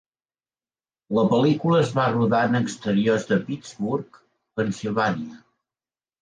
La pel·lícula es va rodar en exteriors a Pittsburgh, (Pennsilvània).